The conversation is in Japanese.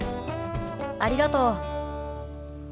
ありがとう。